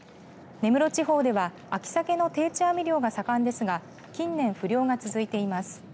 根室地方では秋サケの定置網漁が盛んですが近年、不漁が続いています。